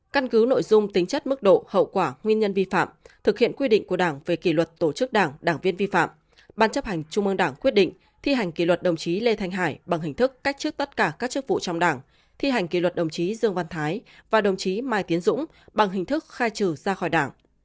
căn cứ nội dung tính chất mức độ hậu quả nguyên nhân vi phạm thực hiện quy định của đảng về kỷ luật tổ chức đảng đảng viên vi phạm ban chấp hành trung ương đảng quyết định thi hành kỷ luật đồng chí lê thanh hải bằng hình thức cách chức tất cả các chức vụ trong đảng thi hành kỷ luật đồng chí dương văn thái và đồng chí mai tiến dũng bằng hình thức khai trừ ra khỏi đảng